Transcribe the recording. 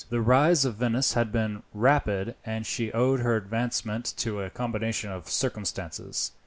The rise of Venice had been rapid, and she owed her advancement to a combination of circumstances.